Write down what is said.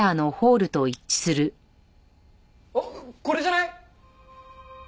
あっこれじゃない？